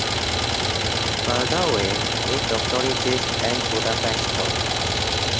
Baldaŭe li doktoriĝis en Budapeŝto.